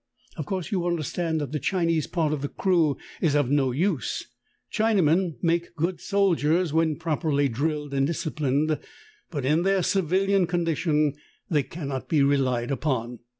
Of course you under stand that the Chinese part of the crew is of no use. Chinamen make good soldiers when properly drilled and diseiplined, but in their civilian condi tion they cannot be relied upon.